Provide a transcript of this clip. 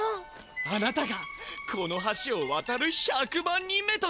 あなたがこの橋をわたる１００万人目となりました。